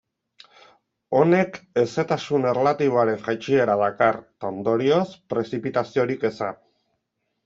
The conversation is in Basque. Honek hezetasun erlatiboaren jaitsiera dakar, eta ondorioz, prezipitaziorik eza.